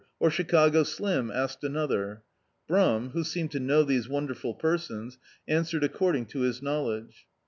"Or Chicago Slim?" asked another. Brum, who seemed to know these wraiderful persons, answered accord ing to his knowledge.